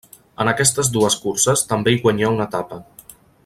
En aquestes dues curses també hi guanyà una etapa.